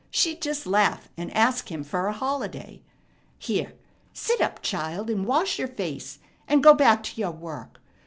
She'd just laugh, and ask him fer a holiday. Here, sit up, child, and wash your face, and go back to your work.